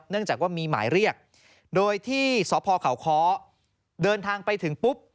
จากว่ามีหมายเรียกโดยที่สพเขาค้อเดินทางไปถึงปุ๊บ